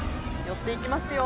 寄っていきますよ。